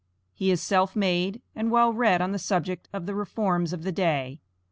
He is self made, and well read on the subject of the reforms of the day.